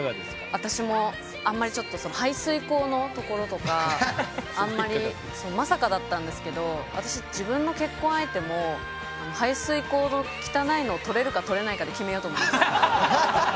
私もあんまりちょっとその排水溝のところとかあんまりまさかだったんですけど私自分の結婚相手も排水溝の汚いのを取れるか取れないかで決めようと思います。